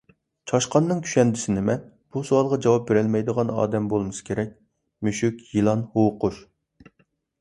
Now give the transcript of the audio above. چاشقاننىڭ كۈشەندىسى نېمە؟ بۇ سوئالغان جاۋاب بېرەلمەيدىغان ئادەم بولمىسا كېرەك: مۈشۈك، يىلان، ھۇۋقۇش.